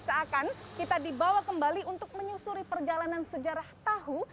seakan kita dibawa kembali untuk menyusuri perjalanan sejarah tahu